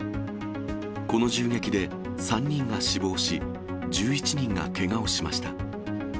この銃撃で３人が死亡し、１１人がけがをしました。